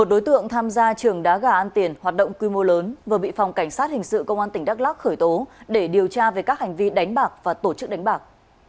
một đối tượng tham gia trường đá gà ăn tiền hoạt động quy mô lớn vừa bị phòng cảnh sát hình sự công an tỉnh đắk lắc khởi tố để điều tra về các hành vi đánh bạc và tổ chức đánh bạc